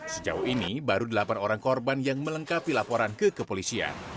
sejauh ini baru delapan orang korban yang melengkapi laporan ke kepolisian